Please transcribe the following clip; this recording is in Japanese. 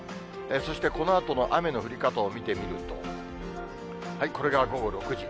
そしてこのあとの雨の降り方を見てみると、これが午後６時。